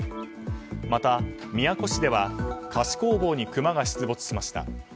また、宮古市では菓子工房にクマが出没しました。